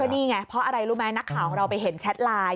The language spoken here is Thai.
นี่ไงเพราะอะไรรู้ไหมนักข่าวของเราไปเห็นแชทไลน์